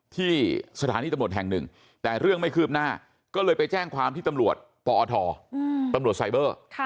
ที่สถานีตำรวจแห่งหนึ่งแต่เรื่องไม่คืบหน้าก็เลยไปแจ้งความที่ตำรวจปอทตำรวจไซเบอร์